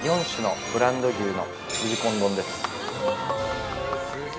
４種類のブランド牛